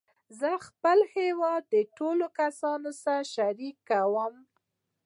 زه خپل هېواد د ټولو کسانو سره شریکوم.